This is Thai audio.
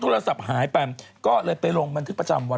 โทรศัพท์หายไปก็เลยไปลงบันทึกประจำวัน